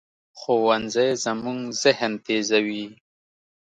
ښوونځی زموږ ذهن تیزوي